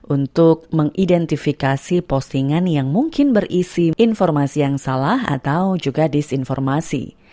untuk mengidentifikasi postingan yang mungkin berisi informasi yang salah atau juga disinformasi